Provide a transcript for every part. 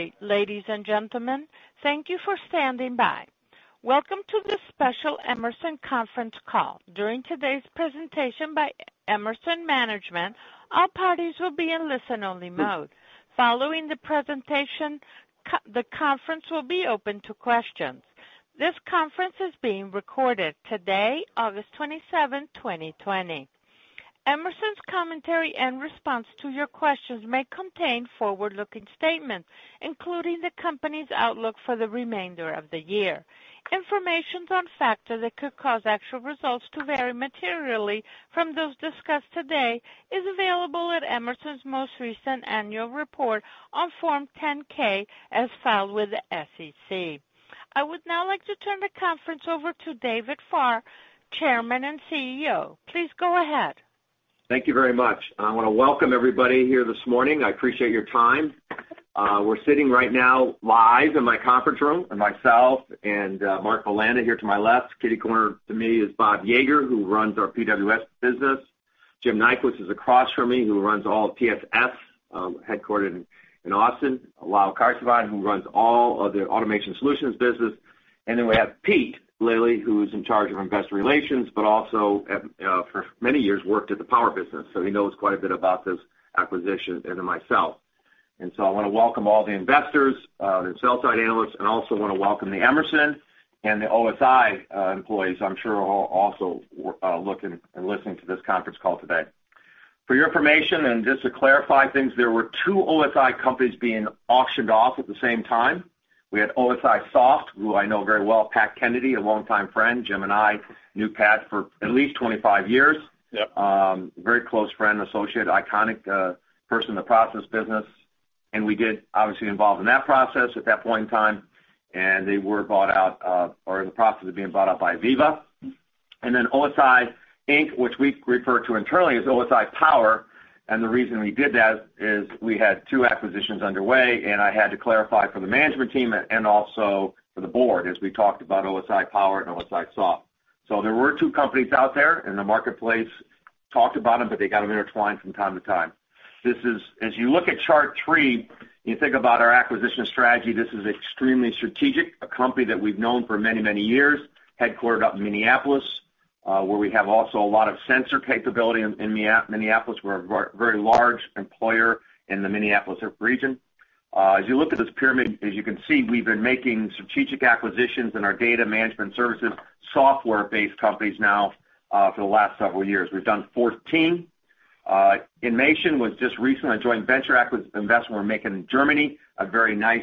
Good day, ladies and gentlemen. Thank you for standing by. Welcome to this special Emerson conference call. During today's presentation by Emerson management, all parties will be in listen-only mode. Following the presentation, the conference will be open to questions. This conference is being recorded today, August 27, 2020. Emerson's commentary and response to your questions may contain forward-looking statements, including the company's outlook for the remainder of the year. Information on factors that could cause actual results to vary materially from those discussed today is available at Emerson's most recent annual report on Form 10-K as filed with the SEC. I would now like to turn the conference over to David Farr, Chairman and CEO. Please go ahead. Thank you very much. I want to welcome everybody here this morning. I appreciate your time. We're sitting right now live in my conference room, myself and Mark Bulanda here to my left. Kitty-corner to me is Bob Yeager, who runs our PWS business. Jim Nyquist is across from me, who runs all of PSS, headquartered in Austin. Lal Karsanbhai, who runs all of the automation solutions business. Then we have Collin Mettler, who's in charge of investor relations, but also for many years worked at the power business, so he knows quite a bit about this acquisition, and then myself. I want to welcome all the investors, the sell-side analysts, and also want to welcome the Emerson and the OSI employees I'm sure are also looking and listening to this conference call today. For your information, and just to clarify things, there were two OSI companies being auctioned off at the same time. We had OSIsoft, who I know very well. Pat Kennedy, a longtime friend. Jim and I knew Pat for at least 25 years. Yep. Very close friend, associate, iconic person in the process business. We get obviously involved in that process at that point in time. They were bought out, or in the process of being bought out by AVEVA. Then OSI Inc, which we refer to internally as OSI Power. The reason we did that is we had two acquisitions underway, and I had to clarify for the management team and also for the board as we talked about OSI Power and OSIsoft. There were two companies out there, and the marketplace talked about them, but they got them intertwined from time to time. As you look at chart three, you think about our acquisition strategy. This is extremely strategic. A company that we've known for many, many years, headquartered up in Minneapolis, where we have also a lot of sensor capability in Minneapolis. We're a very large employer in the Minneapolis region. As you look at this pyramid, as you can see, we've been making strategic acquisitions in our data management services, software-based companies now for the last several years. We've done 14. inmation was just recently a joint venture investment we're making in Germany, a very nice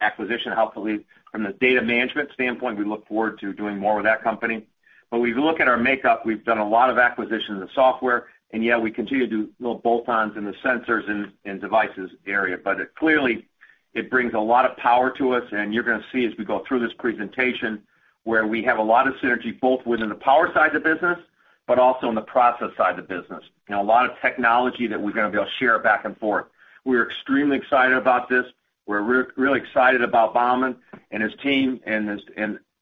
acquisition, helpful from the data management standpoint. We look forward to doing more with that company. We look at our makeup, we've done a lot of acquisitions of software, and yet we continue to do little bolt-ons in the sensors and devices area. Clearly it brings a lot of power to us, and you're going to see as we go through this presentation, where we have a lot of synergy, both within the power side of the business, but also in the process side of the business. A lot of technology that we're going to be able to share back and forth. We're extremely excited about this. We're really excited about Bahman and his team and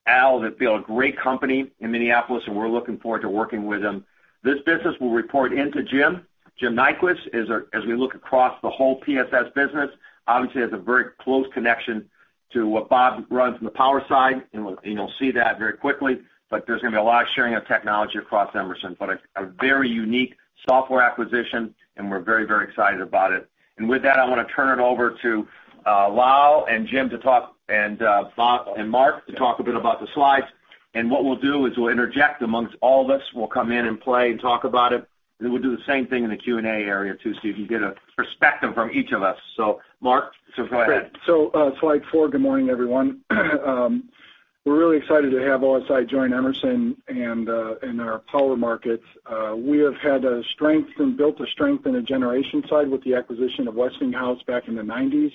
Al. They built a great company in Minneapolis, and we're looking forward to working with them. This business will report into Jim. Jim Nyquist, as we look across the whole PSS business, obviously has a very close connection to what Bob runs on the power side, and you'll see that very quickly. There's going to be a lot of sharing of technology across Emerson. A very unique software acquisition, and we're very excited about it. With that, I want to turn it over to Lal and Jim to talk, and Bob and Mark to talk a bit about the slides. What we'll do is we'll interject amongst all of us. We'll come in and play and talk about it, and we'll do the same thing in the Q&A area too, so you can get a perspective from each of us. Mark, so go ahead. Great. Slide four. Good morning, everyone. We're really excited to have OSI join Emerson and in our power markets. We have had a strength and built a strength in the generation side with the acquisition of Westinghouse back in the 1990s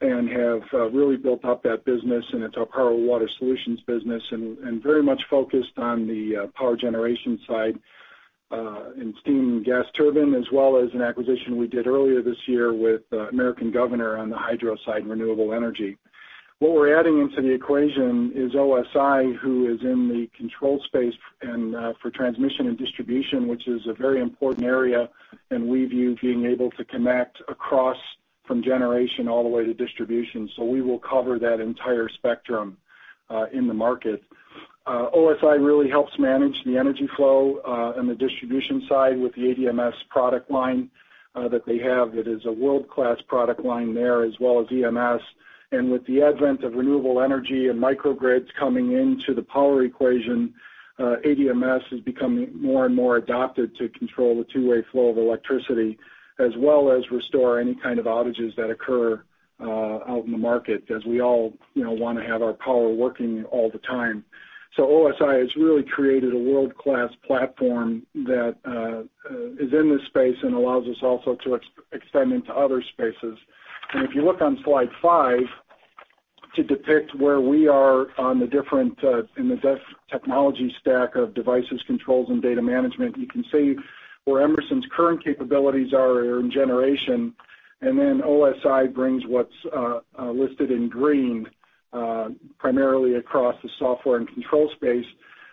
and have really built up that business, and it's our Power and Water Solutions business and very much focused on the power generation side, in steam and gas turbine, as well as an acquisition we did earlier this year with American Governor on the hydro side, renewable energy. What we're adding into the equation is OSI, who is in the control space and for transmission and distribution, which is a very important area, and we view being able to connect across from generation all the way to distribution. We will cover that entire spectrum in the market. OSI really helps manage the energy flow on the distribution side with the ADMS product line that they have. It is a world-class product line there, as well as EMS. With the advent of renewable energy and microgrids coming into the power equation, ADMS is becoming more and more adopted to control the two-way flow of electricity, as well as restore any kind of outages that occur out in the market, as we all want to have our power working all the time. OSI has really created a world-class platform that is in this space and allows us also to expand into other spaces. If you look on slide five to depict where we are in the technology stack of devices, controls, and data management, you can see where Emerson's current capabilities are in generation. Listed in green, primarily across the software and control space.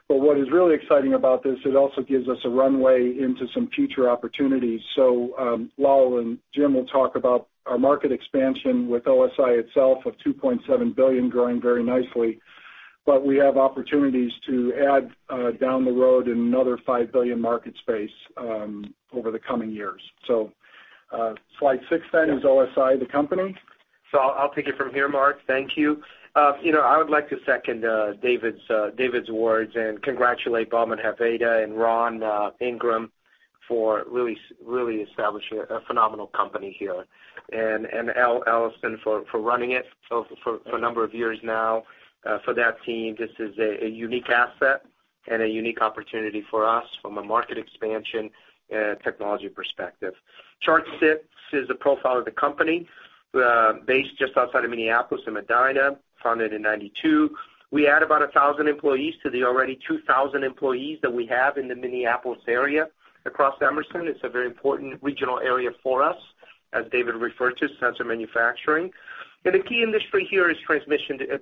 What is really exciting about this, it also gives us a runway into some future opportunities. Lal and Jim will talk about our market expansion with OSI itself of $2.7 billion growing very nicely. We have opportunities to add down the road another $5 billion market space over the coming years. Slide six is OSI, the company. I'll take it from here, Mark. Thank you. I would like to second David's words and congratulate Bahman Hoveida and Ron Ingram for really establishing a phenomenal company here, and Al Ellison for running it for a number of years now. For that team, this is a unique asset and a unique opportunity for us from a market expansion and technology perspective. Chart six is the profile of the company, based just outside of Minneapolis in Medina, founded in 1992. We add about 1,000 employees to the already 2,000 employees that we have in the Minneapolis area across Emerson. It's a very important regional area for us, as David referred to, sensor manufacturing. The key industry here is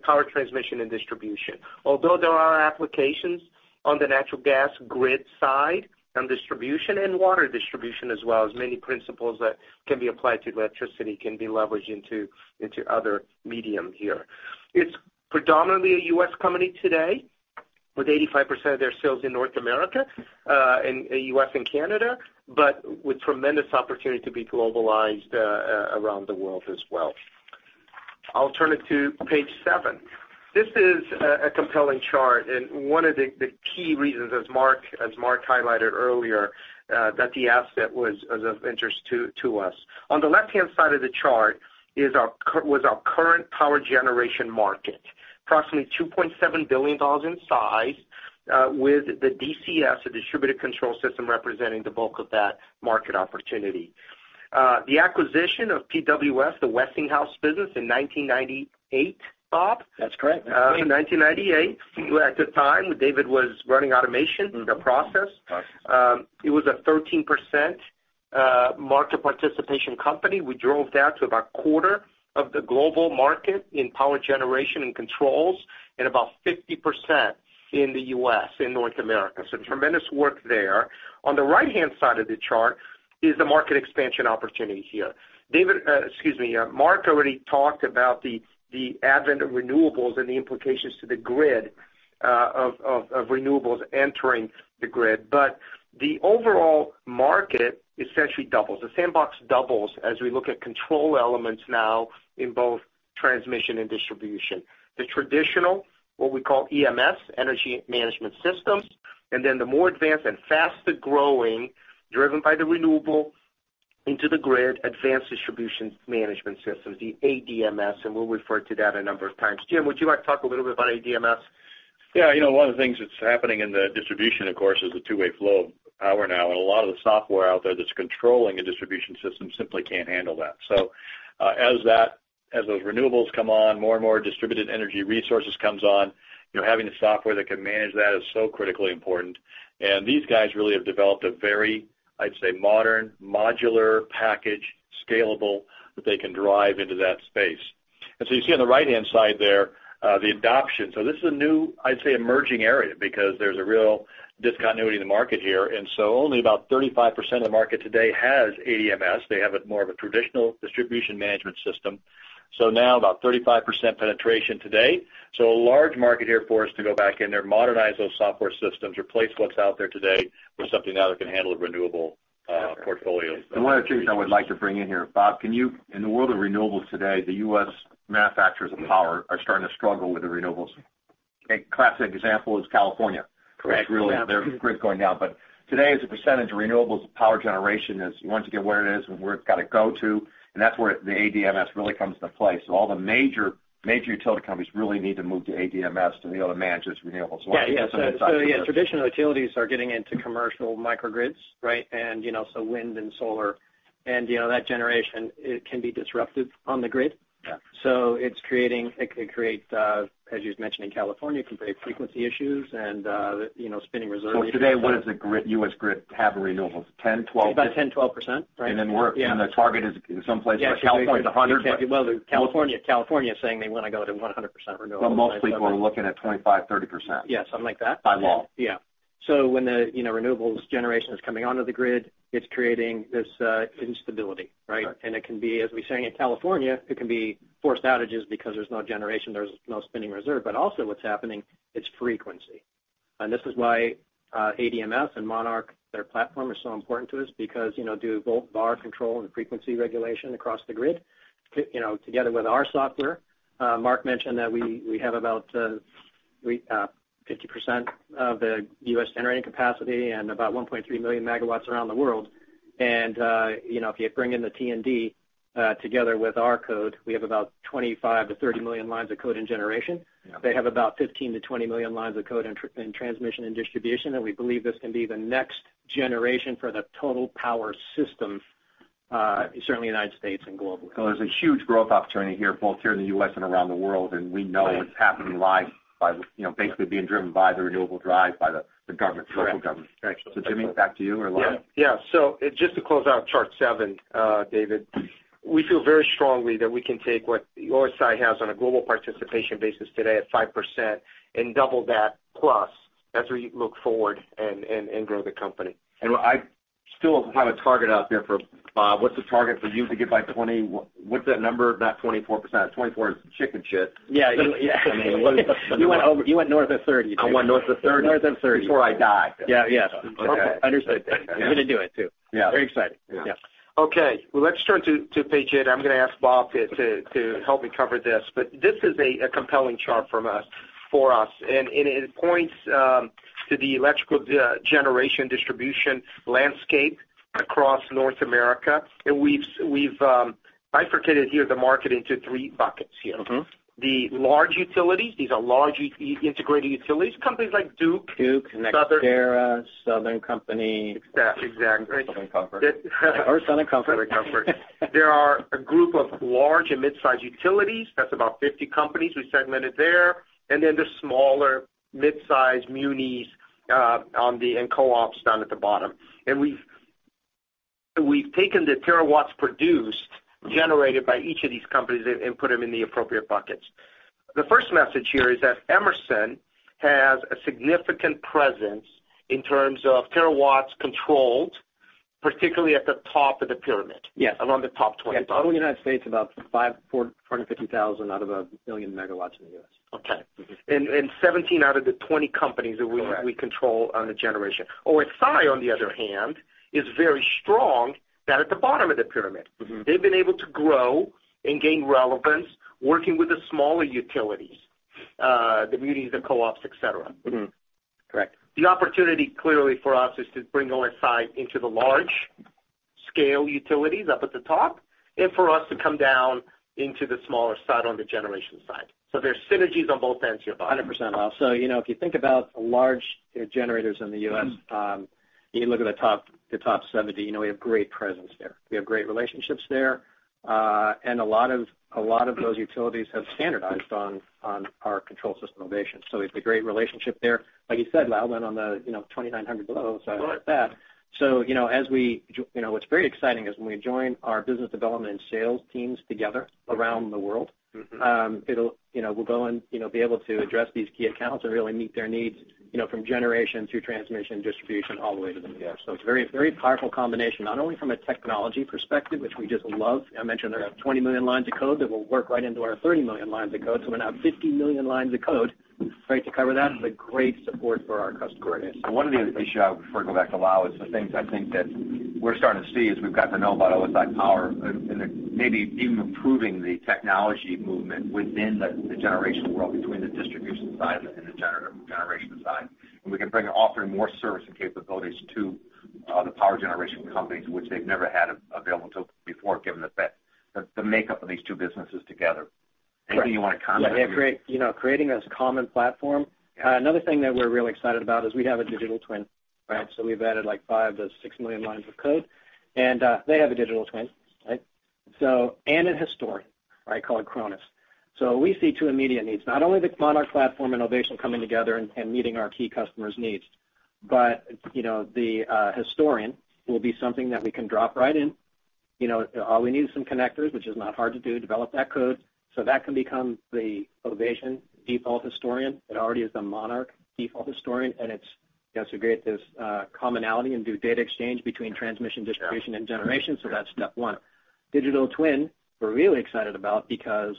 power transmission and distribution. There are applications on the natural gas grid side and distribution, and water distribution as well, as many principles that can be applied to electricity can be leveraged into other medium here. It's predominantly a U.S. company today, with 85% of their sales in North America, in U.S. and Canada. With tremendous opportunity to be globalized around the world as well. I'll turn it to page seven. This is a compelling chart. One of the key reasons, as Mark highlighted earlier, that the asset was of interest to us. On the left-hand side of the chart was our current power generation market, approximately $2.7 billion in size, with the DCS, the distributed control system, representing the bulk of that market opportunity. The acquisition of PWS, the Westinghouse business in 1998, Bob? That's correct. 1998. At the time, David was running automation, the process. It was a 13% market participation company. We drove that to about a quarter of the global market in power generation and controls, and about 50% in the U.S., in North America. Tremendous work there. On the right-hand side of the chart is the market expansion opportunity here. Mark already talked about the advent of renewables and the implications to the grid of renewables entering the grid. The overall market essentially doubles. The sandbox doubles as we look at control elements now in both transmission and distribution. The traditional, what we call EMS, energy management systems, and then the more advanced and faster-growing, driven by the renewable into the grid, advanced distribution management systems, the ADMS, and we'll refer to that a number of times. Jim, would you like to talk a little bit about ADMS? Yeah. One of the things that's happening in the distribution, of course, is the two-way flow of power now. A lot of the software out there that's controlling a distribution system simply can't handle that. As those renewables come on, more and more distributed energy resources comes on, having the software that can manage that is so critically important. These guys really have developed a very, I'd say, modern, modular package, scalable, that they can drive into that space. You see on the right-hand side there, the adoption. This is a new, I'd say, emerging area because there's a real discontinuity in the market here. Only about 35% of the market today has ADMS. They have more of a traditional distribution management system. Now about 35% penetration today. A large market here for us to go back in there, modernize those software systems, replace what's out there today with something now that can handle the renewable portfolios. One of the things I would like to bring in here, Bob, in the world of renewables today, the U.S. manufacturers of power are starting to struggle with the renewables. A classic example is California. Correct. Yeah. Their grid is going down. Today, as a percentage of renewables, power generation is once again where it is and where it's got to go to, and that's where the ADMS really comes into play. All the major utility companies really need to move to ADMS to be able to manage those renewables. Why don't you give some insight to that? Yeah. The traditional utilities are getting into commercial microgrids, right? Wind and solar and that generation, it can be disruptive on the grid. Yeah. It could create, as you mentioned in California, it can create frequency issues and spinning reserve issues. Today, what does the U.S. grid have in renewables? 10%, 12%? About 10%, 12%. Right. Yeah. The target is in some places like California, it's 100%. Well, California is saying they want to go to 100% renewables. Most people are looking at 25%-30%. Yeah, something like that. By law. Yeah. When the renewables generation is coming onto the grid, it's creating this instability, right? Right. It can be, as we're saying in California, it can be forced outages because there's no generation, there's no spinning reserve. Also what's happening, it's frequency. This is why ADMS and Monarch, their platform, is so important to us because they do volt/VAR control and frequency regulation across the grid. Together with our software, Mark mentioned that we have about 50% of the U.S. generating capacity and about 1.3 million MW around the world. If you bring in the T&D together with our code, we have about 25 million-30 million lines of code in generation. Yeah. They have about 15 million-20 million lines of code in transmission and distribution, and we believe this can be the next generation for the total power system, certainly in the United States and globally. There's a huge growth opportunity here, both here in the U.S. and around the world, and we know it's happening live, basically being driven by the renewable drive by the government, the local government. Correct. Jim, back to you or Lal. Yeah. Just to close out chart seven, David, we feel very strongly that we can take what OSI has on a global participation basis today at 5% and double that plus. That's where you look forward and grow the company. I still have a target out there for Bob. What's the target for you to get by what's that number? Not 24%. 24% is nonsense. Yeah. You went north of 30. I went north of 30. North of 30. Before I die. Yeah. Okay. Understood. You're going to do it, too. Yeah. Very exciting. Yeah. Yes. Okay, well, let's turn to page eight. I'm going to ask Bob to help me cover this. This is a compelling chart from us, for us, and it points to the electrical generation distribution landscape across North America. We've bifurcated here the market into three buckets here. The large utilities, these are large integrated utilities, companies like Duke. Duke, NextEra, Southern Company. Exactly. Southern Company. There are a group of large and mid-size utilities, that is about 50 companies we segmented there, and then the smaller mid-size munis and co-ops down at the bottom. We have taken the terawatts produced, generated by each of these companies, and put them in the appropriate buckets. The first message here is that Emerson has a significant presence in terms of terawatts controlled, particularly at the top of the pyramid. Yes. Among the top 20. Total U.S., about 450,000 out of 1 million MW in the U.S. Okay. 17 out of the 20 companies. Correct we control on the generation. OSI, on the other hand, is very strong down at the bottom of the pyramid. They've been able to grow and gain relevance working with the smaller utilities, the munis, the co-ops, et cetera. Mm-hmm. Correct. The opportunity, clearly, for us, is to bring OSI into the large-scale utilities up at the top, and for us to come down into the smaller side on the generation side. There's synergies on both ends here, Bob. Hundred %, Lal. If you think about large generators in the U.S.- you look at the top 70, we have great presence there. We have great relationships there. A lot of those utilities have standardized on our control system, Ovation. We have a great relationship there. Like you said, Lal, on the 2,900 below, so I like that. Right. What's very exciting is when we join our business development and sales teams together around the world. we'll go and be able to address these key accounts and really meet their needs, from generation through transmission, distribution, all the way to the munis. It's a very powerful combination, not only from a technology perspective, which we just love. I mentioned they have 20 million lines of code that will work right into our 30 million lines of code, so we're going to have 50 million lines of code, right, to cover that, but great support for our customers. One of the issues, before I go back to Lal, is the things I think that we're starting to see as we've got to know about OSI power, and maybe even improving the technology movement within the generation world, between the distribution side and the generation side. We can bring, offer more service and capabilities to the power generation companies, which they've never had available until before, given the makeup of these two businesses together. Anything you want to comment on? Yeah. Creating this common platform. Another thing that we're really excited about is we have a digital twin. We've added five to six million lines of code, and they have a digital twin. A historian. I call it CHRONUS. We see two immediate needs, not only the monarch platform and Ovation coming together and meeting our key customers' needs, but the historian will be something that we can drop right in. All we need is some connectors, which is not hard to do, develop that code. That can become the Ovation default historian. It already is the monarch default historian, and it's great, this commonality and do data exchange between transmission, distribution, and generation. That's step one. Digital twin, we're really excited about because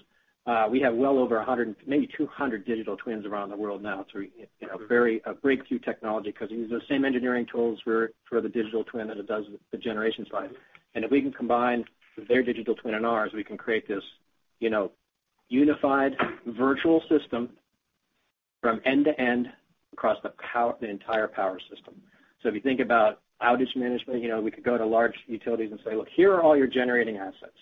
we have well over 100, maybe 200 digital twins around the world now. It's a breakthrough technology because it uses the same engineering tools for the digital twin as it does the generation side. If we can combine their digital twin and ours, we can create this unified virtual system from end to end across the entire power system. If you think about outage management, we could go to large utilities and say, "Look, here are all your generating assets."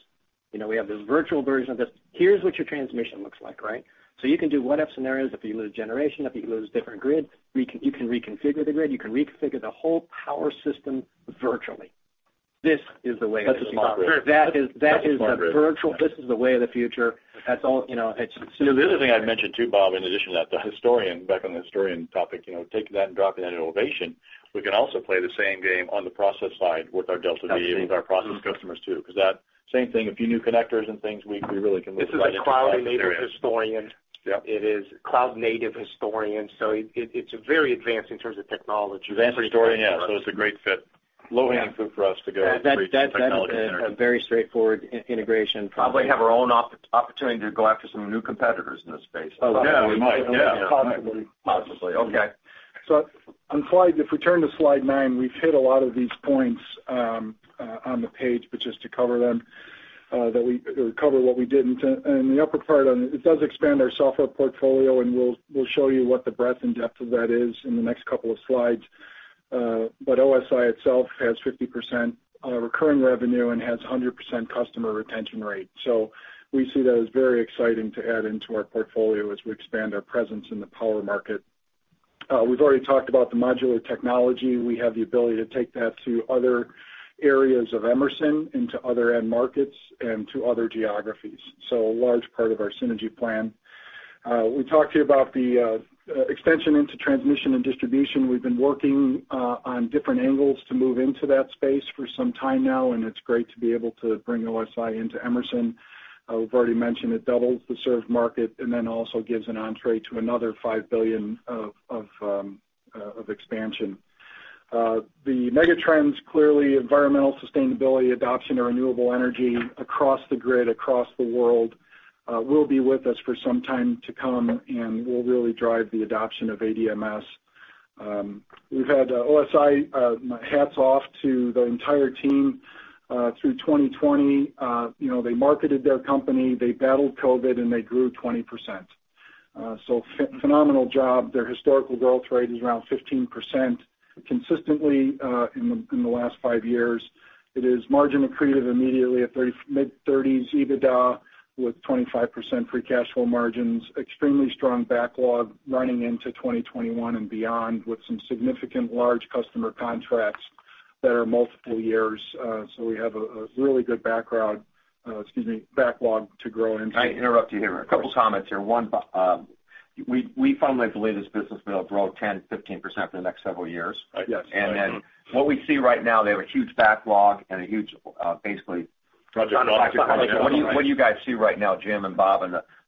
We have this virtual version of this. Here's what your transmission looks like, right? You can do what if scenarios if you lose generation, if you lose different grid. You can reconfigure the grid. You can reconfigure the whole power system virtually. This is the way of the future. This is the way of the future. The other thing I'd mention, too, Bob, in addition to that, the historian, back on the historian topic, taking that and dropping that into Ovation, we can also play the same game on the process side with our DeltaV, with our process customers, too, because that same thing, a few new connectors and things, we really can look right into that area. This is a cloud-native historian. Yep. It is a cloud-native historian, so it's very advanced in terms of technology. Advanced historian, yeah. It's a great fit. Low hanging fruit for us to go and reach technological synergy. That is a very straightforward integration. Probably have our own opportunity to go after some new competitors in this space. Oh, yeah. We might. Yeah. Possibly. Possibly. Okay. On slide, if we turn to slide nine, we've hit a lot of these points on the page, but just to cover them, what we did. In the upper part, it does expand our software portfolio, and we'll show you what the breadth and depth of that is in the next couple of slides. OSI itself has 50% recurring revenue and has 100% customer retention rate. We see that as very exciting to add into our portfolio as we expand our presence in the power market. We've already talked about the modular technology. We have the ability to take that to other areas of Emerson, into other end markets, and to other geographies. A large part of our synergy plan. We talked to you about the extension into transmission and distribution. We've been working on different angles to move into that space for some time now, and it's great to be able to bring OSI into Emerson. I've already mentioned it doubles the served market and then also gives an entrée to another $5 billion of expansion. The mega trends, clearly environmental sustainability, adoption of renewable energy across the grid, across the world, will be with us for some time to come and will really drive the adoption of ADMS. We've had OSI, hats off to the entire team through 2020. They marketed their company, they battled COVID, and they grew 20%. Phenomenal job. Their historical growth rate is around 15% consistently in the last five years. It is margin accretive immediately at mid-30s EBITDA with 25% free cash flow margins. Extremely strong backlog running into 2021 and beyond with some significant large customer contracts that are multiple years. We have a really good background, excuse me, backlog to grow into. Can I interrupt you here? Of course. A couple comments here. One, we fundamentally believe this business will grow 10%, 15% for the next several years. Yes. What we see right now, they have a huge backlog. Project backlog. What do you guys see right now, Jim and Bob,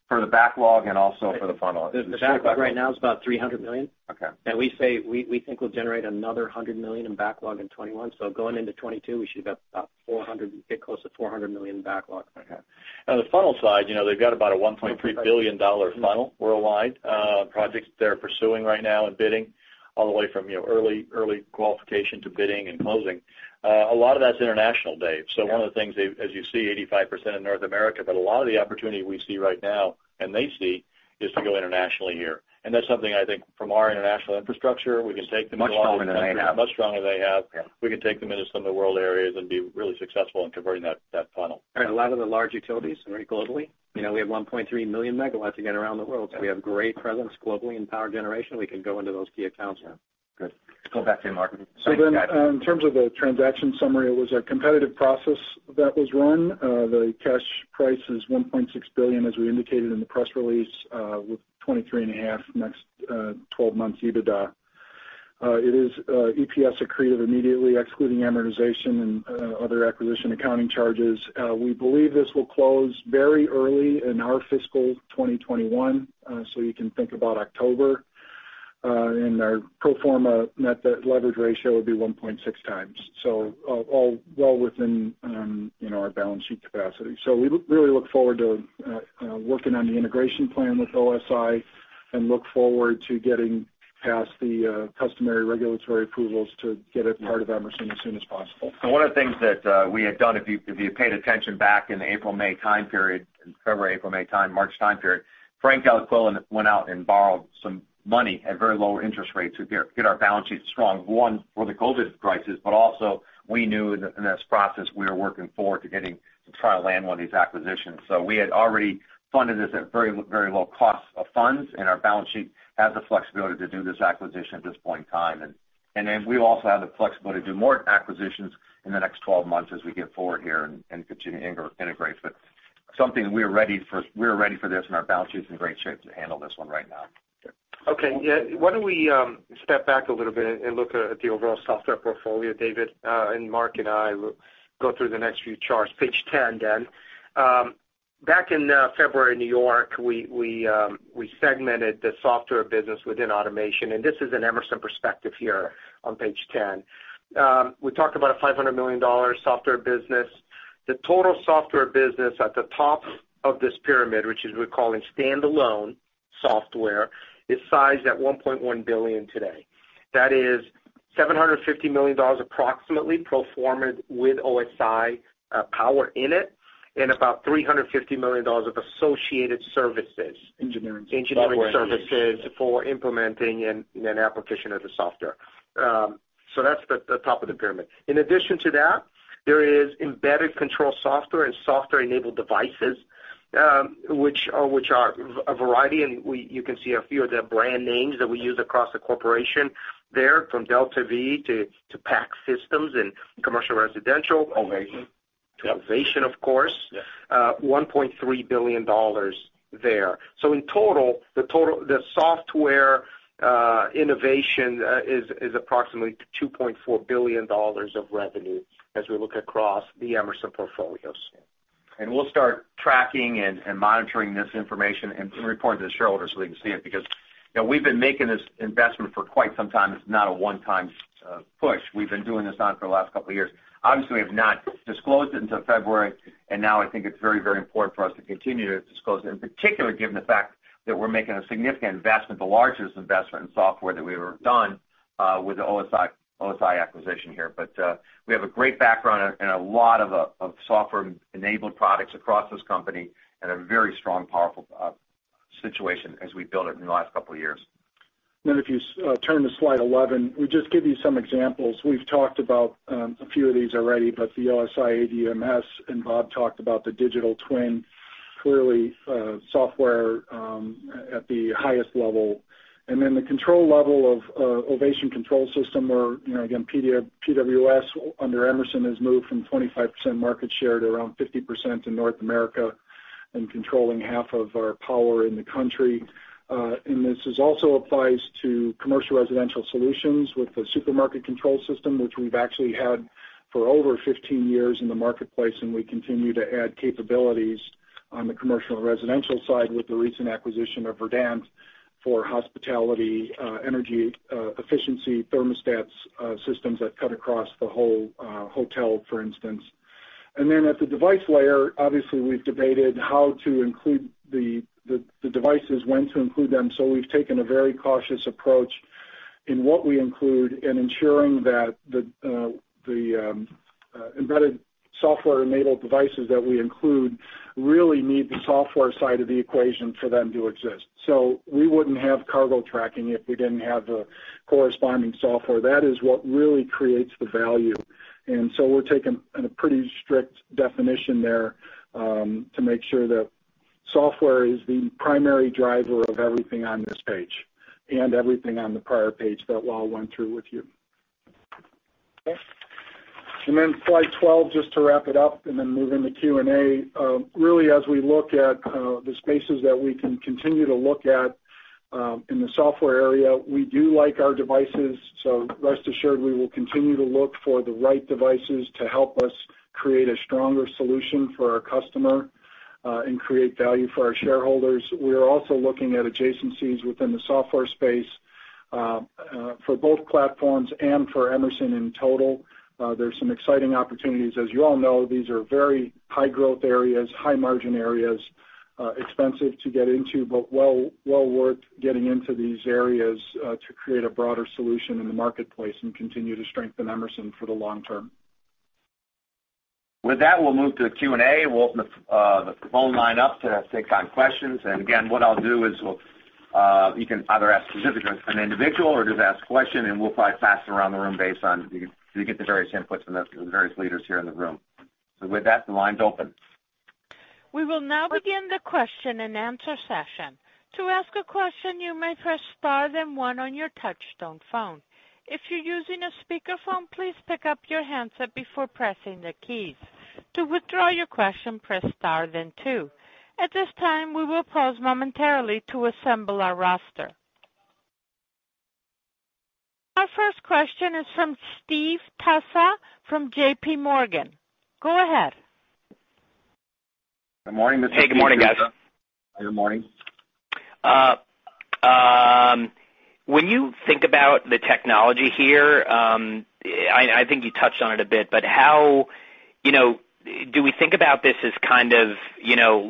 for the backlog and also for the funnel? The backlog right now is about $300 million. Okay. We think we'll generate another $100 million in backlog in 2021. Going into 2022, we should get close to $400 million backlog. Okay. On the funnel side, they've got about a $1.3 billion funnel worldwide, projects they're pursuing right now and bidding all the way from early qualification to bidding and closing. A lot of that's international, Dave. Yeah. One of the things they've, as you see, 85% in North America, but a lot of the opportunity we see right now, and they see, is to go internationally here. That's something I think from our international infrastructure, we can take them to a lot of countries. Much stronger than they have. Much stronger than they have. Yeah. We can take them into some of the world areas and be really successful in converting that funnel. A lot of the large utilities are globally. We have 1.3 million MW, again, around the world. We have great presence globally in power generation. We can go into those key accounts now. Good. Go back to you, Mark. Sorry, guys. In terms of the transaction summary, it was a competitive process that was run. The cash price is $1.6 billion, as we indicated in the press release, with 23.5x next 12 months EBITDA. It is EPS accretive immediately, excluding amortization and other acquisition accounting charges. We believe this will close very early in our fiscal 2021. You can think about October. Our pro forma net debt leverage ratio would be 1.6x. All well within our balance sheet capacity. We really look forward to working on the integration plan with OSI and look forward to getting past the customary regulatory approvals to get it part of Emerson as soon as possible. One of the things that we had done, if you had paid attention back in the April/May time period, February, April, May time, March time period, Frank Dellaquila went out and borrowed some money at very low interest rates to get our balance sheet strong, one, for the COVID crisis, but also we knew in this process, we were working forward to try to land one of these acquisitions. We had already funded this at very low cost of funds, and our balance sheet has the flexibility to do this acquisition at this point in time. We also have the flexibility to do more acquisitions in the next 12 months as we get forward here and continue to integrate. Something we're ready for. We're ready for this, and our balance sheet's in great shape to handle this one right now. Okay. Why don't we step back a little bit and look at the overall software portfolio, David, and Mark and I will go through the next few charts. Page 10. Back in February in New York, we segmented the software business within automation, and this is an Emerson perspective here on page 10. We talked about a $500 million software business. The total software business at the top of this pyramid, which is we're calling standalone software, is sized at $1.1 billion today. That is $750 million approximately pro forma with OSI power in it, and about $350 million of associated services. Engineering services. Engineering services for implementing and then application of the software. That's the top of the pyramid. In addition to that, there is embedded control software and software-enabled devices, which are a variety, and you can see a few of the brand names that we use across the corporation there, from DeltaV to PACSystems in commercial residential. Ovation. Ovation, of course. Yes. $1.3 billion there. In total, the software innovation is approximately $2.4 billion of revenue as we look across the Emerson portfolios. We'll start tracking and monitoring this information and report to the shareholders so they can see it, because we've been making this investment for quite some time. It's not a one-time push. We've been doing this on for the last couple of years. Obviously, we have not disclosed it until February, now I think it's very important for us to continue to disclose it, in particular, given the fact that we're making a significant investment, the largest investment in software that we've ever done, with the OSI acquisition here. We have a great background and a lot of software-enabled products across this company and a very strong, powerful situation as we built it in the last couple of years. If you turn to slide 11, we just give you some examples. We've talked about a few of these already, the OSI ADMS, Bob talked about the digital twin, clearly software at the highest level. The control level of Ovation control system, where again, PWS under Emerson has moved from 25% market share to around 50% in North America and controlling half of our power in the country. This also applies to commercial residential solutions with the supermarket control system, which we've actually had for over 15 years in the marketplace, and we continue to add capabilities. On the commercial and residential side with the recent acquisition of Verdant for hospitality, energy efficiency thermostat systems that cut across the whole hotel, for instance. At the device layer, obviously we've debated how to include the devices, when to include them. We've taken a very cautious approach in what we include in ensuring that the embedded software-enabled devices that we include really need the software side of the equation for them to exist. We wouldn't have cargo tracking if we didn't have the corresponding software. That is what really creates the value. We're taking a pretty strict definition there, to make sure that software is the primary driver of everything on this page and everything on the prior page that Lal went through with you. Okay. Then slide 12, just to wrap it up and then move into Q&A. Really, as we look at the spaces that we can continue to look at in the software area, we do like our devices. Rest assured, we will continue to look for the right devices to help us create a stronger solution for our customer, and create value for our shareholders. We are also looking at adjacencies within the software space, for both platforms and for Emerson in total. There's some exciting opportunities. As you all know, these are very high growth areas, high margin areas, expensive to get into, but well worth getting into these areas, to create a broader solution in the marketplace and continue to strengthen Emerson for the long term. With that, we'll move to Q&A. We'll open the phone line up to take on questions. Again, what I'll do is, you can either ask specific an individual or just ask a question, and we'll probably pass it around the room based on so you get the various inputs from the various leaders here in the room. With that, the line's open. Our first question is from Steve Tusa from JPMorgan. Go ahead. Good morning, this is Steve Tusa. Hey, good morning, guys. Good morning. When you think about the technology here, I think you touched on it a bit, but do we think about this as kind of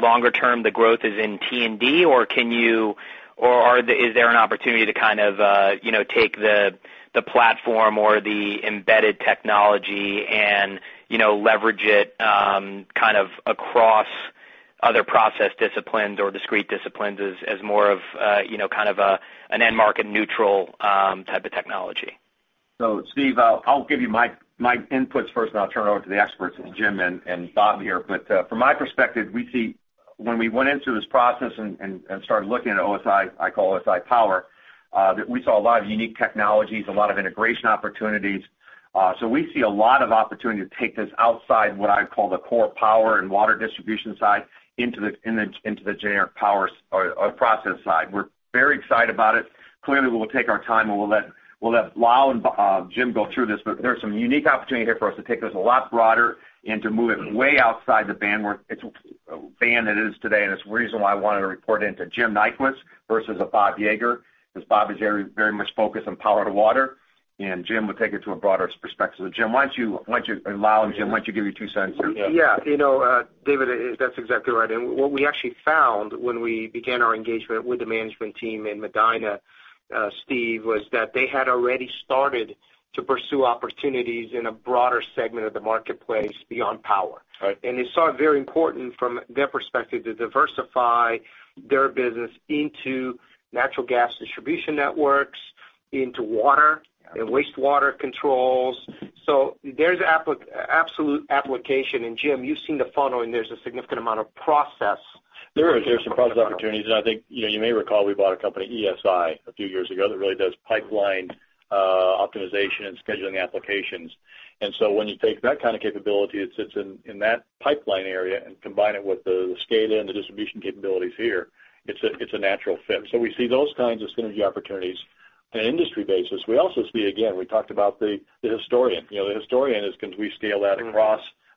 longer term, the growth is in T&D, or is there an opportunity to take the platform or the embedded technology and leverage it, kind of across other process disciplines or discrete disciplines as more of kind of an end market neutral type of technology? Steve, I'll give you my inputs first, then I'll turn it over to the experts, Jim and Bob here. From my perspective, when we went into this process and started looking at OSI, I call OSI Power, that we saw a lot of unique technologies, a lot of integration opportunities. We see a lot of opportunity to take this outside, what I call the core power and water distribution side into the generic power or process side. We're very excited about it. Clearly, we'll take our time, and we'll let Lal and Jim go through this. There's some unique opportunity here for us to take this a lot broader and to move it way outside the band that it is today, and it's the reason why I wanted to report it into Jim Nyquist versus a Bob Yeager, because Bob is very much focused on power to water, and Jim would take it to a broader perspective. Jim, Lal, Jim, why don't you give your two cents here? Yeah. David, that's exactly right. What we actually found when we began our engagement with the management team in Medina, Steve, was that they had already started to pursue opportunities in a broader segment of the marketplace beyond power. Right. They saw it very important from their perspective to diversify their business into natural gas distribution networks, into water and wastewater controls. There's absolute application. Jim, you've seen the funnel, and there's a significant amount of process. There is. There's some process opportunities. I think you may recall we bought a company, ESI, a few years ago that really does pipeline optimization and scheduling applications. When you take that kind of capability that sits in that pipeline area and combine it with the SCADA and the distribution capabilities here, it's a natural fit. We see those kinds of synergy opportunities on an industry basis. We also see, again, we talked about the historian. The historian is because we scale that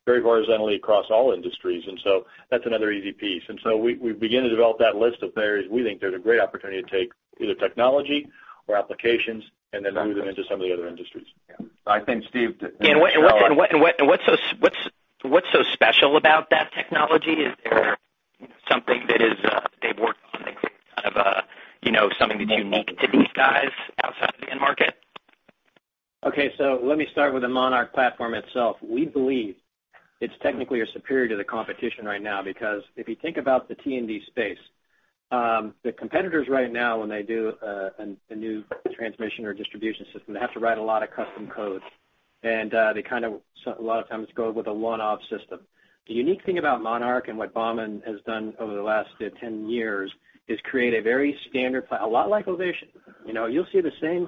very horizontally across all industries, that's another easy piece. We begin to develop that list of areas we think there's a great opportunity to take either technology or applications and then move them into some of the other industries. Yeah. I think, Steve- What's so special about that technology? Is there something that they've worked on that's kind of something that's unique to these guys outside of the end market? Okay, let me start with the Monarch platform itself. We believe it's technically superior to the competition right now, because if you think about the T&D space, the competitors right now, when they do a new transmission or distribution system, they have to write a lot of custom code. They kind of, a lot of times, go with a one-off system. The unique thing about Monarch and what Baumann has done over the last, say, 10 years is create a very standard platform, a lot like Ovation. You'll see the same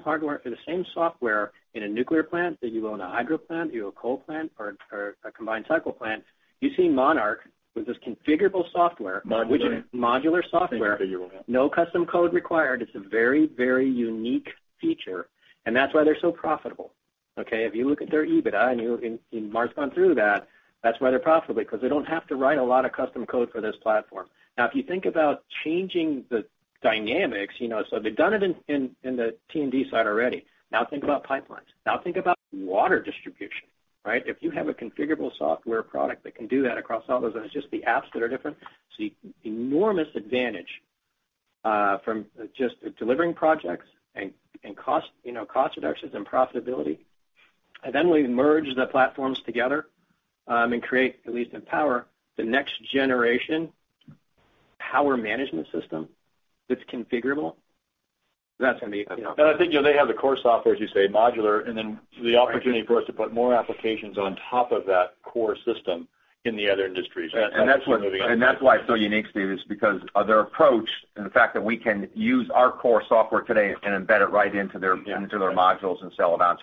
software in a nuclear plant that you will in a hydro plant, you have a coal plant or a combined cycle plant. You see Monarch with this configurable software. Modular modular software. Configurable, yeah. No custom code required. It's a very, very unique feature, and that's why they're so profitable. Okay. If you look at their EBITDA, and you and Mark's gone through that's why they're profitable, because they don't have to write a lot of custom code for this platform. If you think about changing the dynamics, they've done it in the T&D side already. Think about pipelines. Think about water distribution, right? If you have a configurable software product that can do that across all those, and it's just the apps that are different, see enormous advantage, from just delivering projects and cost reductions and profitability. We merge the platforms together, and create at least in power, the next generation power management system that's configurable. I think they have the core software, as you say, modular, and then the opportunity for us to put more applications on top of that core system in the other industries. That's why it's so unique, Steve, is because of their approach and the fact that we can use our core software today and embed it right into their modules and sell it on.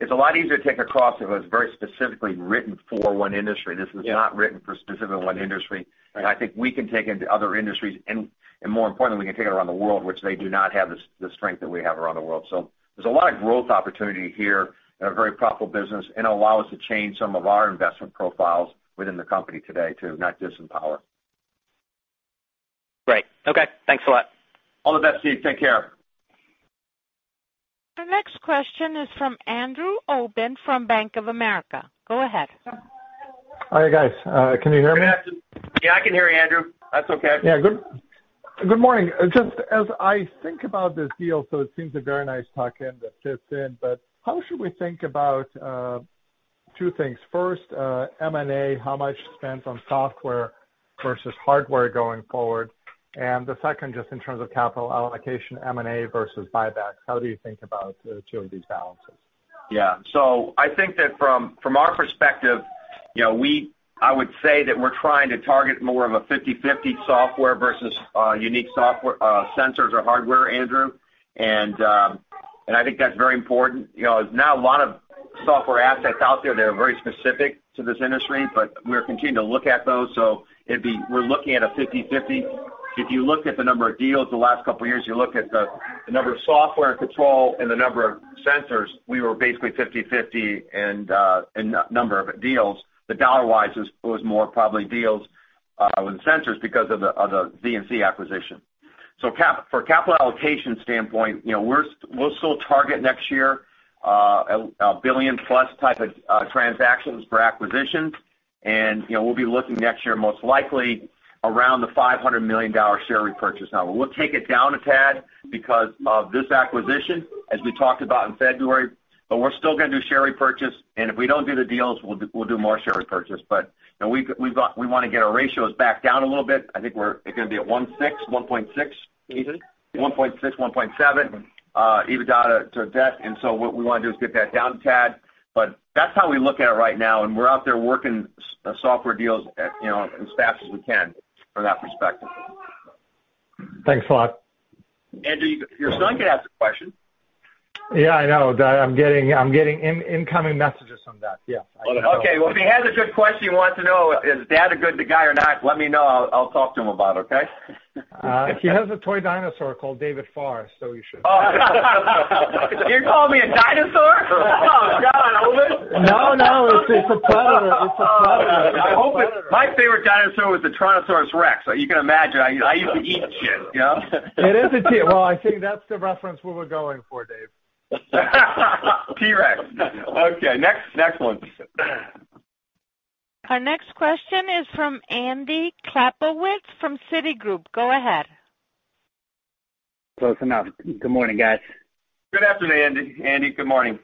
It's a lot easier to take a cost if it was very specifically written for one industry. This is not written for specific one industry. Right. I think we can take it into other industries and, more importantly, we can take it around the world, which they do not have the strength that we have around the world. There's a lot of growth opportunity here in a very profitable business, and it'll allow us to change some of our investment profiles within the company today too, not just in power. Great. Okay. Thanks a lot. All the best, Steve. Take care. Our next question is from Andrew Obin from Bank of America. Go ahead. Hi, guys. Can you hear me? Good afternoon. Yeah, I can hear you, Andrew. That's okay. Yeah. Good morning. Just as I think about this deal, it seems a very nice tuck-in that fits in, but how should we think about two things? First, M&A, how much spent on software versus hardware going forward? The second, just in terms of capital allocation, M&A versus buybacks. How do you think about the two of these balances? Yeah. I think that from our perspective, I would say that we're trying to target more of a 50/50 software versus unique software, sensors or hardware, Andrew. I think that's very important. There's not a lot of software assets out there that are very specific to this industry, but we're continuing to look at those. We're looking at a 50/50. If you looked at the number of deals the last couple of years, you look at the number of software control and the number of sensors, we were basically 50/50 in number of deals. Dollar-wise, it was more probably deals with sensors because of the V&C acquisition. For capital allocation standpoint, we'll still target next year 1+ billion type of transactions for acquisitions. We'll be looking next year, most likely, around the $500 million share repurchase number. We'll take it down a tad because of this acquisition, as we talked about in February, but we're still going to do share repurchase. If we don't do the deals, we'll do more share repurchase. We want to get our ratios back down a little bit. I think we're going to be at 1.6, 1.6. 1.6, 1.7 EBITDA to debt. What we want to do is get that down a tad. That's how we look at it right now, and we're out there working software deals, as fast as we can from that perspective. Thanks a lot. Andrew, your son can ask the question. Yeah, I know. I'm getting incoming messages from that. Yeah. I know. Okay. Well, if he has a good question he wants to know, is dad a good guy or not? Let me know. I'll talk to him about it, okay? He has a toy dinosaur called David Farr, so you should know. You're calling me a dinosaur? Oh, God, Obin. No, no. It's a predator. My favorite dinosaur was the Tyrannosaurus rex. You can imagine, I used to eat shit. It is a T. Well, I think that's the reference we were going for, Dave. T-rex. Okay, next one. Our next question is from Andy Kaplowitz from Citigroup. Go ahead. Close enough. Good morning, guys. Good afternoon, Andy. Good morning.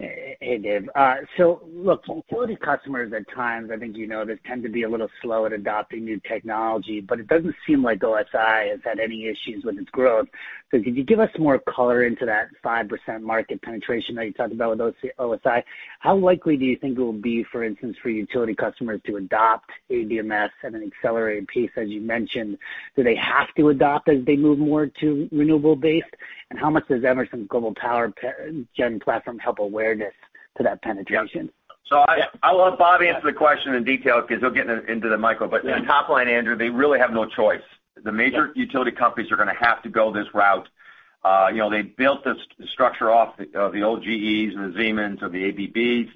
Hey, Dave. Look, utility customers, at times, I think you know this, tend to be a little slow at adopting new technology, but it doesn't seem like OSI has had any issues with its growth. Could you give us more color into that 5% market penetration that you talked about with OSI? How likely do you think it will be, for instance, for utility customers to adopt ADMS and an accelerated pace, as you mentioned? Do they have to adopt as they move more to renewable base? How much does Emerson Global Power Gen platform help awareness to that penetration? I will let Bob answer the question in detail because he'll get into the micro. Top line, Andrew, they really have no choice. Yeah. The major utility companies are going to have to go this route. They built this structure off of the old GEs or the Siemens or the ABBs,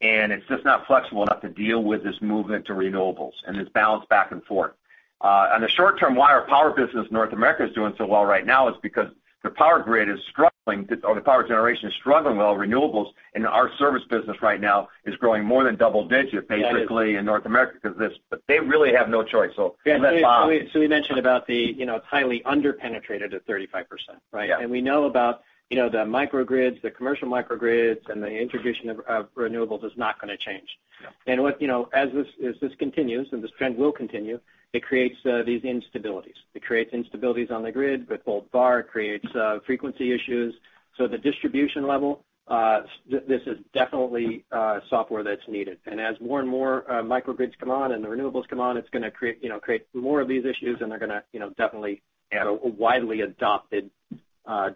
and it's just not flexible enough to deal with this movement to renewables, and it's balanced back and forth. On the short term, why our power business North America is doing so well right now is because the power grid is struggling, or the power generation is struggling. Renewables in our service business right now is growing more than double-digit, basically, in North America because of this. They really have no choice. Let Bob. We mentioned it's highly under-penetrated at 35%, right? Yeah. We know about the microgrids, the commercial microgrids, and the integration of renewables is not going to change. Yeah. As this continues, and this trend will continue, it creates these instabilities. It creates instabilities on the grid with volt/VAR, creates frequency issues. At the distribution level, this is definitely software that's needed. As more and more microgrids come on and the renewables come on, it's going to create more of these issues, and they're going to definitely have a widely adopted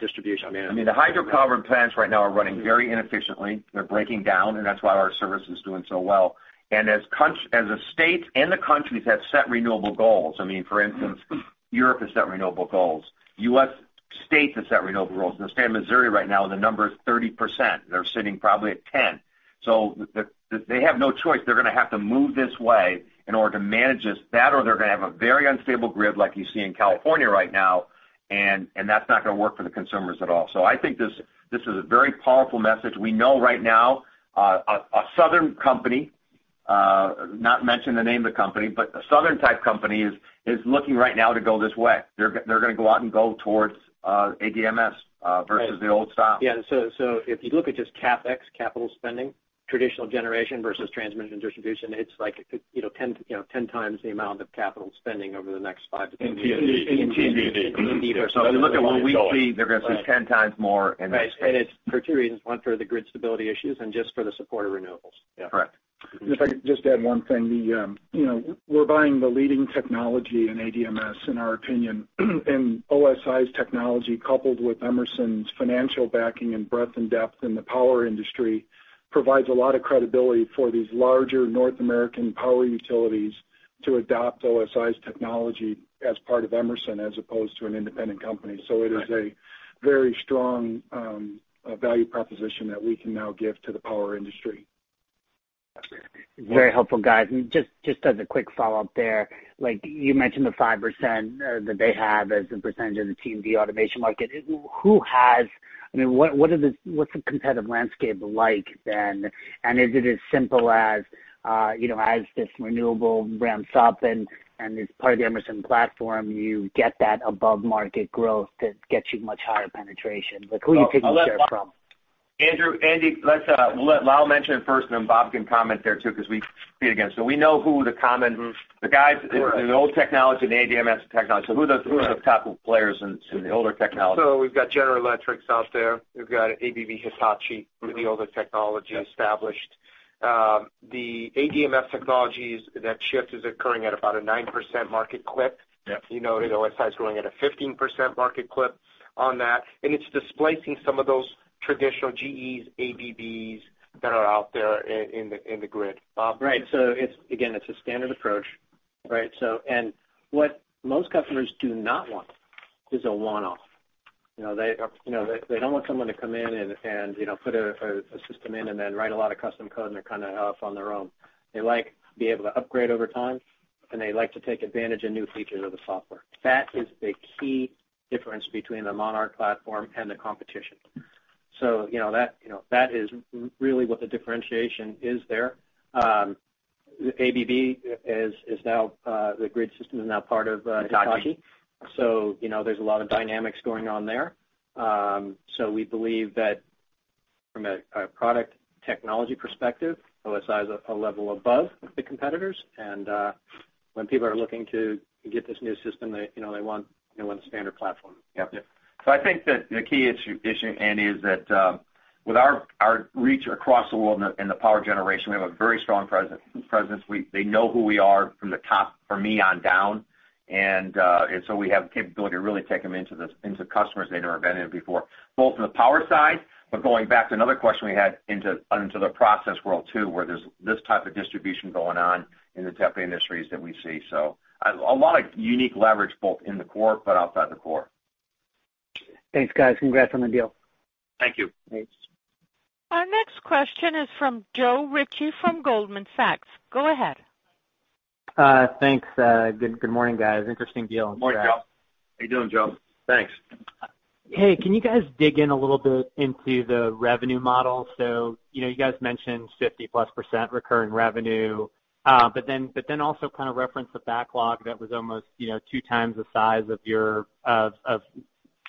distribution. I mean, the hydrocarbon plants right now are running very inefficiently. They're breaking down, and that's why our service is doing so well. As the states and the countries have set renewable goals, I mean, for instance, Europe has set renewable goals. U.S. state that's set renewable rules. In the state of Missouri right now, the number is 30%. They're sitting probably at 10. They have no choice. They're going to have to move this way in order to manage this. That or they're going to have a very unstable grid like you see in California right now, and that's not going to work for the consumers at all. I think this is a very powerful message. We know right now, a Southern Company, not mentioning the name of the company, but a Southern Company type company is looking right now to go this way. They're going to go out and go towards ADMS versus the old style. Yeah. If you look at just CapEx, capital spending, traditional generation versus Transmission and Distribution, it's like 10x the amount of capital spending over the next 5-10 years. In T&D. When you look at what we see, they're going to see 10x more in this space. Right. It's for two reasons. One, for the grid stability issues and just for the support of renewables. Yeah. Correct. If I could just add one thing. We're buying the leading technology in ADMS, in our opinion, and OSI's technology, coupled with Emerson's financial backing and breadth and depth in the power industry, provides a lot of credibility for these larger North American power utilities to adopt OSI's technology as part of Emerson, as opposed to an independent company. It is a very strong value proposition that we can now give to the power industry. Very helpful, guys. Just as a quick follow-up there, you mentioned the 5% that they have as a percentage of the T&D automation market. What's the competitive landscape like then? Is it as simple as this renewable ramps up and it's part of the Emerson platform, you get that above-market growth that gets you much higher penetration? Like, who are you taking share from? Andrew, Andy, let's let Lal mention it first, and then Bob can comment there too, because we compete against them. We know who the common- Mm-hmm. Sure. the guys in the old technology and the ADMS technology. Who are the top players in the older technology? We've got General Electric out there. We've got ABB Hitachi with the older technology established. The ADMS technologies, that shift is occurring at about a 9% market clip. Yeah. You noted OSI is growing at a 15% market clip on that, and it's displacing some of those traditional GEs, ABBs that are out there in the grid. Bob? Right. Again, it's a standard approach, right? What most customers do not want is a one-off. They don't want someone to come in and put a system in and then write a lot of custom code, and they're off on their own. They like to be able to upgrade over time, and they like to take advantage of new features of the software. That is the key difference between the monarch platform and the competition. That is really what the differentiation is there. ABB, the grid system is now part of Hitachi. There's a lot of dynamics going on there. We believe that from a product technology perspective, OSI is a level above the competitors. When people are looking to get this new system, they want a standard platform. Yeah. I think that the key issue, Andy, is that with our reach across the world in the power generation, we have a very strong presence. They know who we are from the top, from me on down. We have the capability to really take them into customers they've never been in before, both in the power side, but going back to another question we had, into the process world too, where there's this type of distribution going on in the T&D industries that we see. A lot of unique leverage both in the core but outside the core. Thanks, guys. Congrats on the deal. Thank you. Thanks. Our next question is from Joe Ritchie from Goldman Sachs. Go ahead. Thanks. Good morning, guys. Interesting deal. Congrats. Morning, Joe. How are you doing, Joe? Thanks. Hey, can you guys dig in a little bit into the revenue model? You guys mentioned 50+% recurring revenue, also kind of referenced the backlog that was almost 2x the size of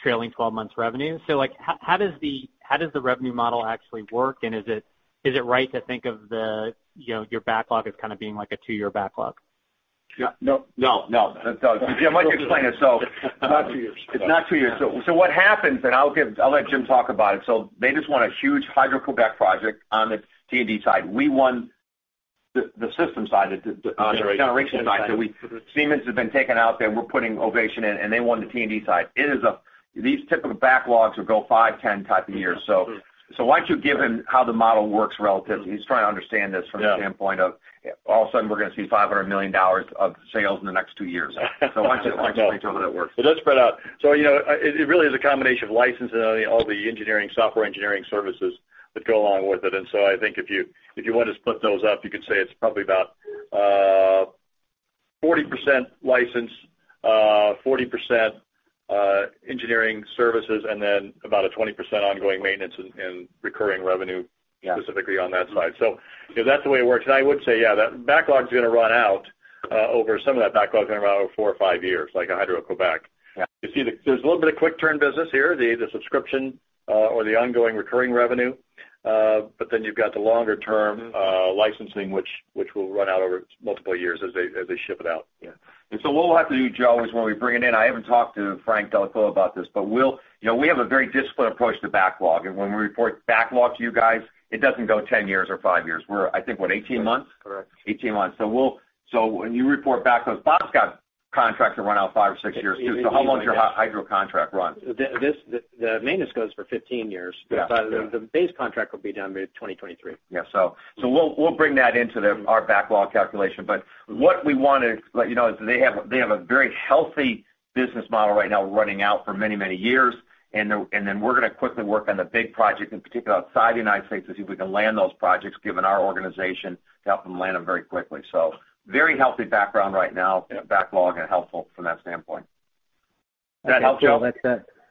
trailing 12 months revenue. How does the revenue model actually work, and is it right to think of your backlog as kind of being like a two-year backlog? No. Jim, why don't you explain it? Not two years. It's not two years. What happens, and I'll let Jim talk about it. They just won a huge Hydro-Québec project on the T&D side. We won the system side, the generation side. Siemens has been taken out there. We're putting Ovation in, and they won the T&D side. These type of backlogs will go five, 10 type of years. Why don't you give him how the model works relatively? He's trying to understand this from the standpoint of all of a sudden, we're going to see $500 million of sales in the next two years. Why don't you talk about how that works? It does spread out. It really is a combination of licensing and all the software engineering services that go along with it. I think if you want to split those up, you could say it's probably about 40% license, 40% engineering services, and then about a 20% ongoing maintenance and recurring revenue specifically on that side. That's the way it works. I would say, yeah, that backlog is going to run out over, some of that backlog is going to run out over four or five years, like a Hydro-Québec. Yeah. There's a little bit of quick turn business here, the subscription or the ongoing recurring revenue. You've got the longer-term licensing, which will run out over multiple years as they ship it out. What we'll have to do, Joe, is when we bring it in, I haven't talked to Frank Dellaquila about this, we have a very disciplined approach to backlog. When we report backlog to you guys, it doesn't go 10 years or five years. We're, I think, what, 18 months? Correct. 18 months. When you report back those, Bob's got contract to run out five or six years too. How long does your hydro contract run? The maintenance goes for 15 years. Yeah. The base contract will be done by 2023. Yeah. We'll bring that into our backlog calculation. What we want to let you know is they have a very healthy business model right now running out for many, many years. We're going to quickly work on the big project, in particular outside the U.S., to see if we can land those projects, given our organization, to help them land them very quickly. Very healthy background right now, backlog and helpful from that standpoint. Does that help, Joe?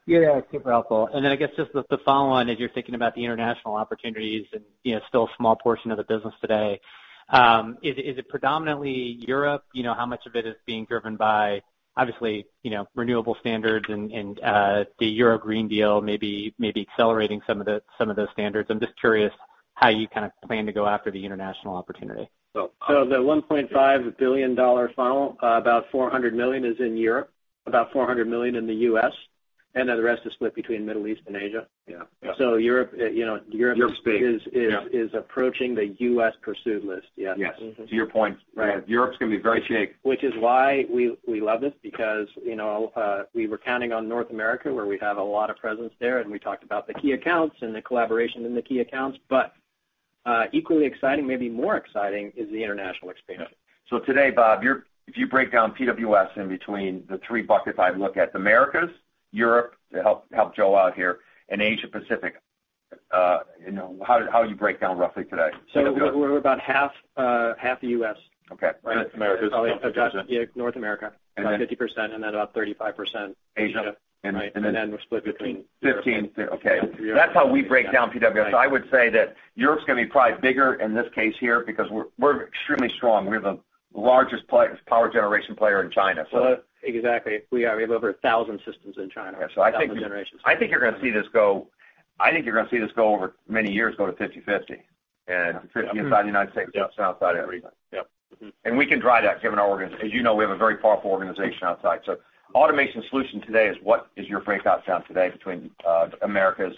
Yeah, super helpful. I guess just the follow-on, as you're thinking about the international opportunities and still a small portion of the business today, is it predominantly Europe? How much of it is being driven by, obviously, renewable standards and the Euro Green Deal, maybe accelerating some of those standards. I'm just curious how you kind of plan to go after the international opportunity. The $1.5 billion funnel, about $400 million is in Europe, about $400 million in the U.S., the rest is split between Middle East and Asia. Yeah. So Europe- Europe's big. is approaching the U.S. pursued list. Yes. Yes. To your point, Europe's going to be very shaky. Which is why we love this, because we were counting on North America, where we have a lot of presence there, and we talked about the key accounts and the collaboration in the key accounts. Equally exciting, maybe more exciting, is the international expansion. Today, Bob, if you break down PWS in between the three buckets I look at, the Americas, Europe, to help Joe out here, and Asia Pacific. How do you break down roughly today? we're about half U.S. Okay. North America. Yeah, North America, about 50%, and then about 35% Asia. Asia. Right. We're split between Europe. 15, okay. That's how we break down PWS. I would say that Europe's going to be probably bigger in this case here because we're extremely strong. We have the largest power generation player in China. Exactly. We have over 1,000 systems in China. I think you're going to see this, over many years, go to 50/50, and 50 inside the U.S., outside everywhere. Yep. Mm-hmm. We can drive that given our organization. As you know, we have a very powerful organization outside. Automation Solutions today is what is your breakout sound today between Americas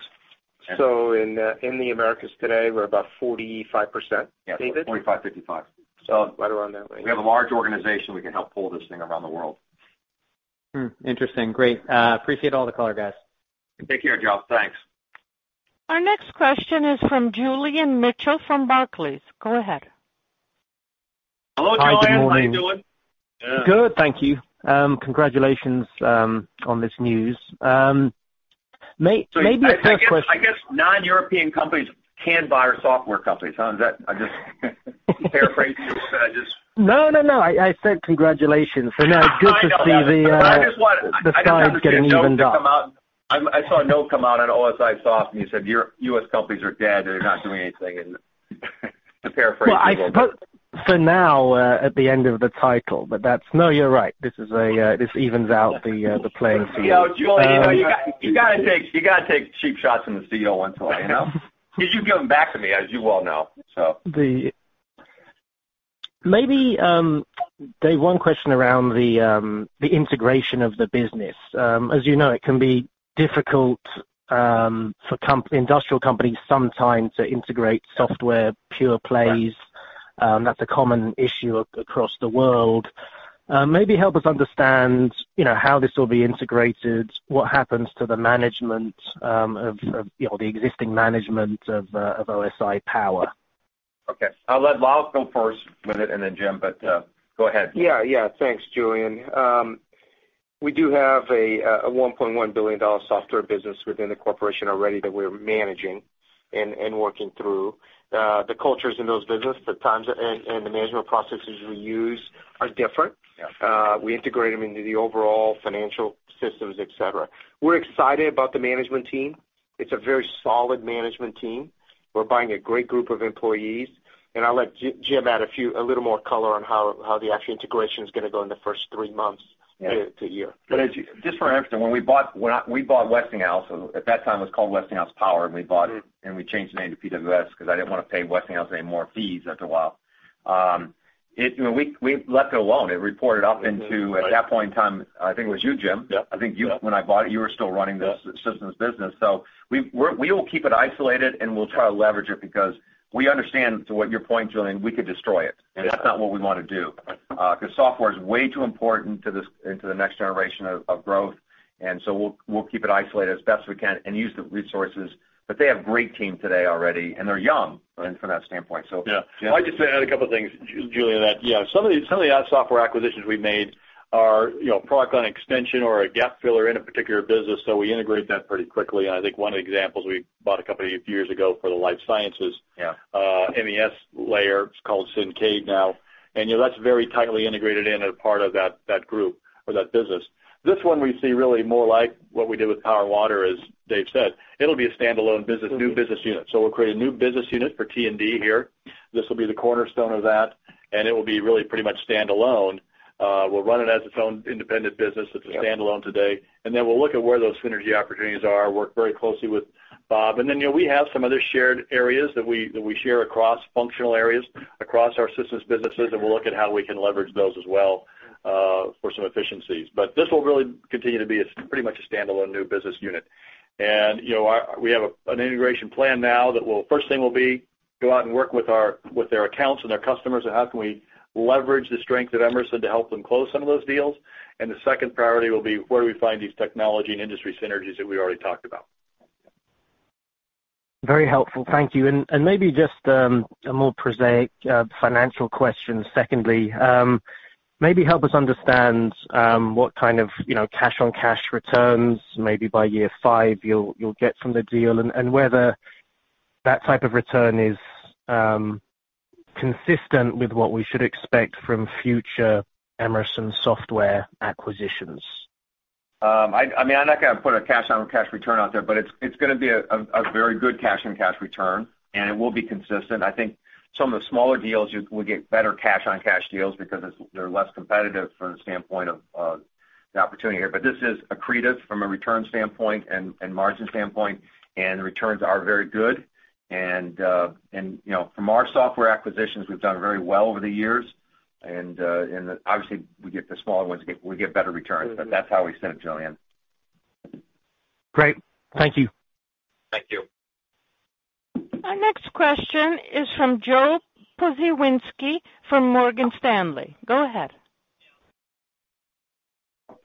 and- In the Americas today, we're about 45%, David. Yeah, 45/55. Right around that way. We have a large organization. We can help pull this thing around the world. Interesting. Great. Appreciate all the color, guys. Take care, Joe. Thanks. Our next question is from Julian Mitchell from Barclays. Go ahead. Hello, Julian. Hi, good morning. How you doing? Good, thank you. Congratulations on this news. Maybe a first question. I guess non-European companies can buy our software companies. I'm just paraphrasing. No, I said congratulations. No, it's good to see the- I know that. skies getting evened up. I saw a note come out on OSIsoft, and you said, "U.S. companies are dead. They're not doing anything." To paraphrase people. I suppose for now at the end of the title, but that's. No, you're right. This evens out the playing field. You know, Julian, you got to take cheap shots from the CEO once in a while. You give them back to me, as you well know. Maybe, Dave, one question around the integration of the business? As you know, it can be difficult for industrial companies sometimes to integrate software pure plays. That's a common issue across the world. Maybe help us understand how this will be integrated, what happens to the management, the existing management of OSI power? Okay. I'll let Lal go first with it, and then Jim. Go ahead. Yeah. Thanks, Julian. We do have a $1.1 billion software business within the corporation already that we're managing and working through. The cultures in those businesses, the times and the management processes we use are different. Yeah. We integrate them into the overall financial systems, et cetera. We're excited about the management team. It's a very solid management team. We're buying a great group of employees. I'll let Jim add a little more color on how the actual integration is going to go in the first three months to year. Just for our interest, when we bought Westinghouse, at that time, it was called Westinghouse Power, and we bought it, and we changed the name to PWS because I didn't want to pay Westinghouse any more fees after a while. We left it alone. It reported up into, at that point in time, I think it was you, Jim. Yep. I think when I bought it, you were still running the systems business. We will keep it isolated, and we'll try to leverage it because we understand, to what your point, Julian, we could destroy it, and that's not what we want to do. Software is way too important into the next generation of growth. We'll keep it isolated as best we can and use the resources. They have great team today already, and they're young from that standpoint. Yeah. Jim. I'll just add a couple of things, Julian, that, yeah, some of the software acquisitions we've made are product line extension or a gap filler in a particular business, so we integrate that pretty quickly. I think one of the examples, we bought a company a few years ago for the life sciences. Yeah. MES layer. It's called Syncade now. That's very tightly integrated in and a part of that group or that business. This one we see really more like what we did with Power and Water, as Dave said. It'll be a standalone business, new business unit. We'll create a new business unit for T&D here. This will be the cornerstone of that, and it will be really pretty much standalone. We'll run it as its own independent business. It's a standalone today. Then we'll look at where those synergy opportunities are, work very closely with Bob. Then, we have some other shared areas that we share across functional areas, across our systems businesses, and we'll look at how we can leverage those as well for some efficiencies. This will really continue to be pretty much a standalone new business unit. We have an integration plan now that first thing will be Go out and work with their accounts and their customers on how can we leverage the strength of Emerson to help them close some of those deals. The second priority will be where do we find these technology and industry synergies that we already talked about? Very helpful. Thank you. Maybe just a more prosaic financial question, secondly. Maybe help us understand what kind of cash-on-cash returns, maybe by year five, you'll get from the deal, and whether that type of return is consistent with what we should expect from future Emerson software acquisitions. I'm not going to put a cash-on-cash return out there, but it's going to be a very good cash-on-cash return, and it will be consistent. I think some of the smaller deals, we get better cash-on-cash deals because they're less competitive from the standpoint of the opportunity here. This is accretive from a return standpoint and margin standpoint, and the returns are very good. From our software acquisitions, we've done very well over the years. Obviously, the smaller ones, we get better returns, but that's how we see it, Julian. Great. Thank you. Thank you. Our next question is from Josh Pokrzywinski from Morgan Stanley. Go ahead.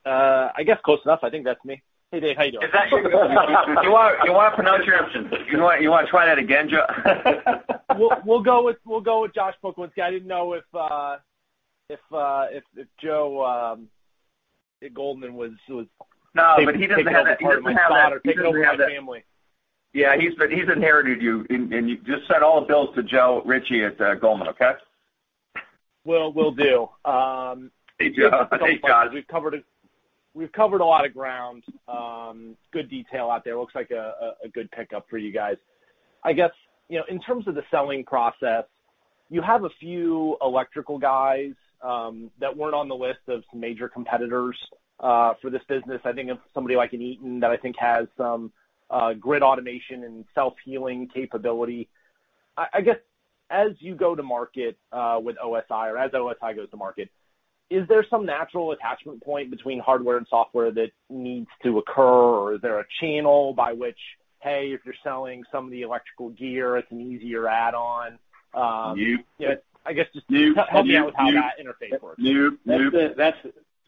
I guess close enough. I think that's me. Hey, Dave. How you doing? You want to try that again, Joe? We'll go with Josh Pokrzywinski. I didn't know if Joe at Goldman was- No, but he doesn't have that. Yeah, he's inherited you, and you just send all the bills to Joe Ritchie at Goldman, okay? Will do. Hey, Joe. Hey, Josh. We've covered a lot of ground. Good detail out there. Looks like a good pickup for you guys. I guess, in terms of the selling process, you have a few electrical guys that weren't on the list of major competitors for this business. I think of somebody like an Eaton that I think has some grid automation and self-healing capability. I guess, as you go to market with OSI or as OSI goes to market, is there some natural attachment point between hardware and software that needs to occur? Or is there a channel by which, hey, if you're selling some of the electrical gear, it's an easier add-on. No. I guess just- No help me out with how that interface works. No.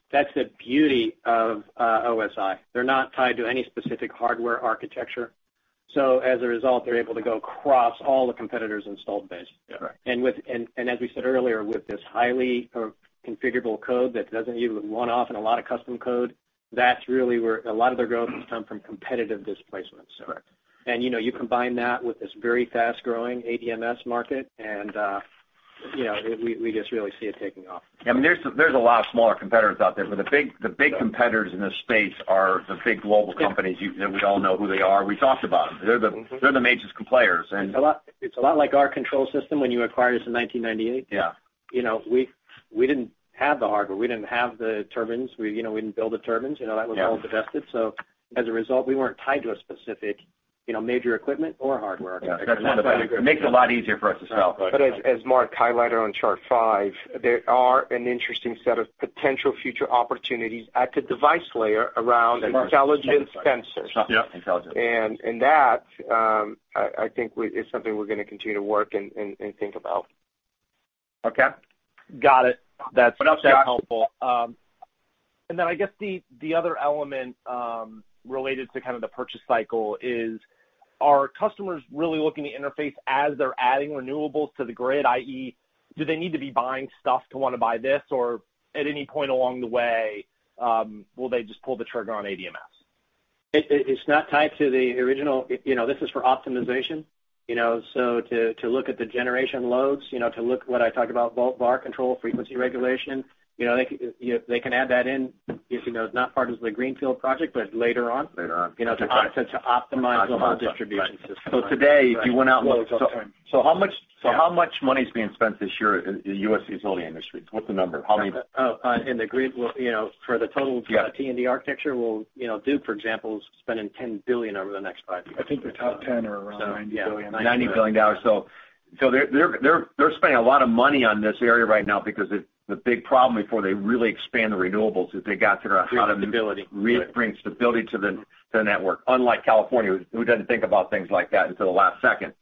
That's the beauty of OSI. They're not tied to any specific hardware architecture. As a result, they're able to go across all the competitors' installed base. Correct. As we said earlier, with this highly configurable code that doesn't give one-off and a lot of custom code, that's really where a lot of their growth has come from competitive displacement. Correct. You combine that with this very fast-growing ADMS market, and we just really see it taking off. I mean, there's a lot of smaller competitors out there, but the big competitors in this space are the big global companies. We all know who they are. We talked about them. They're the major players. It's a lot like our control system when you acquired us in 1998. Yeah. We didn't have the hardware. We didn't have the turbines. We didn't build the turbines. That was all divested. As a result, we weren't tied to a specific major equipment or hardware. It makes it a lot easier for us to sell. As Mark highlighted on chart five, there are an interesting set of potential future opportunities at the device layer around intelligent sensors. Yep. Intelligent. That, I think is something we're going to continue to work and think about. Okay. Got it. That's helpful. I guess the other element related to kind of the purchase cycle is, are customers really looking to interface as they're adding renewables to the grid, i.e., do they need to be buying stuff to want to buy this? At any point along the way, will they just pull the trigger on ADMS? It's not tied to the original. This is for optimization. To look at the generation loads, to look what I talked about, volt/VAR control, frequency regulation. They can add that in if it's not part of the greenfield project, but later on. Later on. To optimize the whole distribution system. Today, how much money is being spent this year in the U.S. utility industry? What's the number? How many? Oh, For the total T&D architecture, Duke, for example, is spending $10 billion over the next five years. I think the top 10 are around $90 billion. $90 billion. They're spending a lot of money on this area right now because the big problem before they really expand the renewables is they got to figure out how to. Bring stability. really bring stability to the network. Unlike California, who doesn't think about things like that until the last second.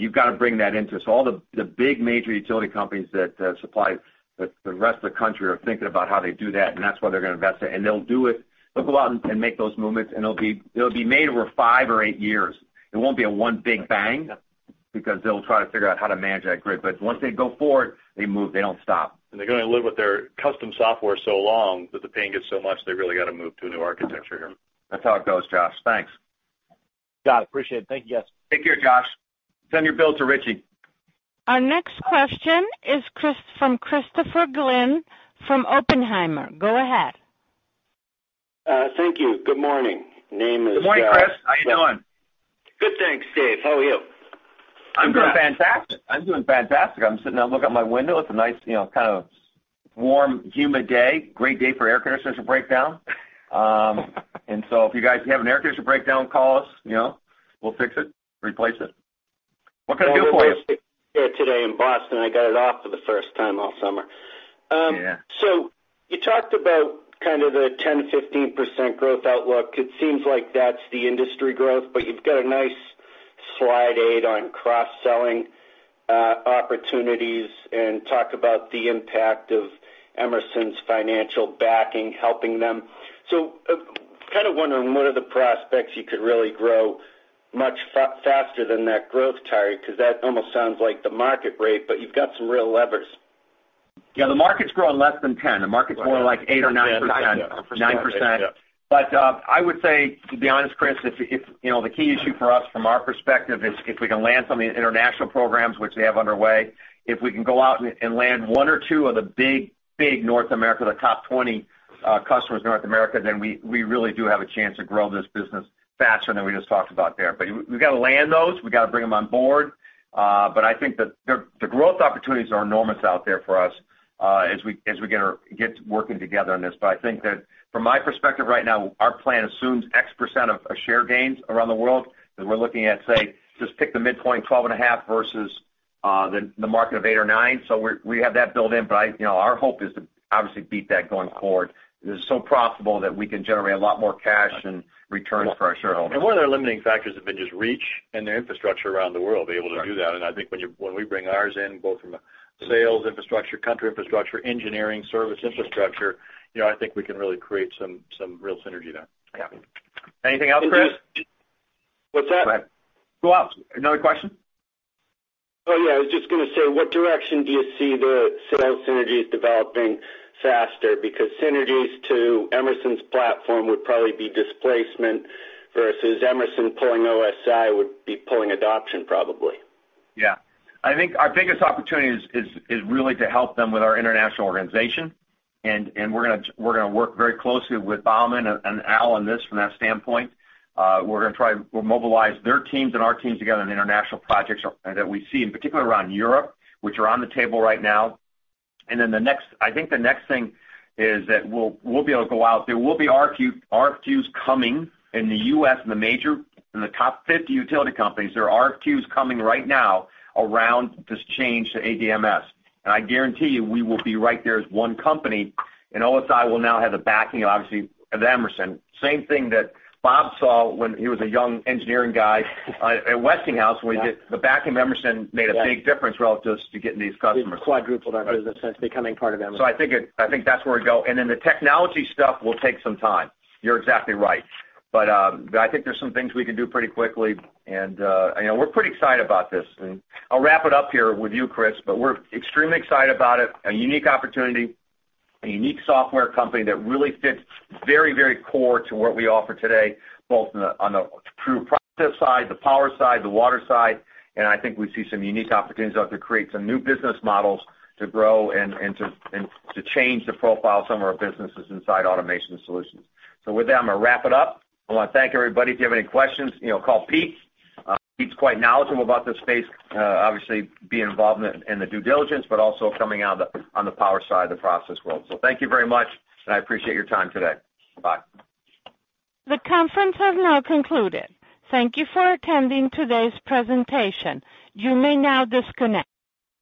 You've got to bring that into. All the big major utility companies that supply the rest of the country are thinking about how they do that, and that's why they're going to invest it. They'll do it. They'll go out and make those movements, and it'll be made over five or eight years. It won't be a one big bang because they'll try to figure out how to manage that grid. Once they go forward, they move. They don't stop. They're going to live with their custom software so long that the pain gets so much, they really got to move to a new architecture here. That's how it goes, Josh. Thanks. Got it. Appreciate it. Thank you guys. Take care, Josh. Send your bill to Ritchie. Our next question is from Christopher Glynn from Oppenheimer. Go ahead. Thank you. Good morning. My name is Chris. Good morning, Chris. How you doing? Good, thanks, Dave. How are you? I'm doing fantastic. I'm sitting, I look out my window, it's a nice kind of warm, humid day. Great day for air conditioners to break down. If you guys have an air conditioner breakdown, call us. We'll fix it, replace it. What can I do for you? Beautiful day here today in Boston. I got it off for the first time all summer. Yeah. You talked about the 10%-15% growth outlook. It seems like that's the industry growth, but you've got a nice slide aid on cross-selling opportunities and talk about the impact of Emerson's financial backing helping them. I'm kind of wondering what are the prospects you could really grow much faster than that growth target, because that almost sounds like the market rate, but you've got some real levers. Yeah, the market's growing less than 10%. The market's more like 8% or 9%. 9%. 9%. I would say, to be honest, Chris, the key issue for us from our perspective is if we can land some of the international programs which we have underway, if we can go out and land one or two of the big North America, the top 20 customers in North America, then we really do have a chance to grow this business faster than we just talked about there. We've got to land those. We've got to bring them on board. I think that the growth opportunities are enormous out there for us, as we get to working together on this. I think that from my perspective right now, our plan assumes X% of share gains around the world. We're looking at, say, just pick the midpoint, 12.5 versus the market of eight or nine. We have that built in, but our hope is to obviously beat that going forward. This is so profitable that we can generate a lot more cash and returns for our shareholders. One of their limiting factors have been just reach and their infrastructure around the world to be able to do that. I think when we bring ours in, both from a sales infrastructure, country infrastructure, engineering, service infrastructure, I think we can really create some real synergy there. Yeah. Anything else, Chris? What's that? Go out. Another question? Yeah, I was just going to say, what direction do you see the sales synergies developing faster? Synergies to Emerson's platform would probably be displacement versus Emerson pulling OSI would be pulling adoption probably. Yeah. I think our biggest opportunity is really to help them with our international organization. We're going to work very closely with Baumann and Al on this from that standpoint. We're going to try mobilize their teams and our teams together on international projects that we see, in particular around Europe, which are on the table right now. I think the next thing is that we'll be able to go out. There will be RFQs coming in the U.S., in the top 50 utility companies. There are RFQs coming right now around this change to ADMS. I guarantee you, we will be right there as one company, and OSI will now have the backing, obviously, of Emerson. Same thing that Bob saw when he was a young engineering guy at Westinghouse. The backing of Emerson made a big difference relative to getting these customers. We've quadrupled our business since becoming part of Emerson. I think that's where we go. Then the technology stuff will take some time. You're exactly right. I think there's some things we can do pretty quickly, and we're pretty excited about this. I'll wrap it up here with you, Chris. We're extremely excited about it. A unique opportunity, a unique software company that really fits very core to what we offer today, both on the true process side, the power side, the water side, and I think we see some unique opportunities out to create some new business models to grow and to change the profile of some of our businesses inside Automation Solutions. With that, I'm going to wrap it up. I want to thank everybody. If you have any questions, call Pete. Pete's quite knowledgeable about this space, obviously being involved in the due diligence, but also coming out on the power side of the process world. Thank you very much, and I appreciate your time today. Bye. The conference has now concluded. Thank you for attending today's presentation. You may now disconnect.